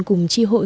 cùng tri hội